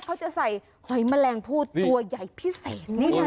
เขาจะใส่หอยแมลงพูดตัวใหญ่พิเศษ